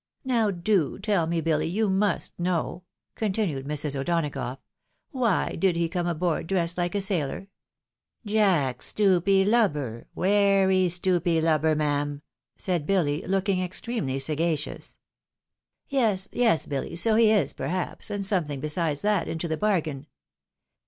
" Now do tell me, Billy, you must know," continued Mrs. O'Donagough, " wTiy did he come aboard dressed like a sailor ?"" Jack, stupy lubber, wery stupy lubber, mam," said Billy, looking extremely sagacious. "Yes, yes, Billy, so he is perhaps, and something besides that into the bargain."